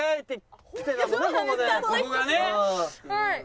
はい。